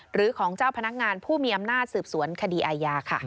หรือของเจ้าพนักงานผู้มีอำนาจสืบสวนคดีอาญาค่ะ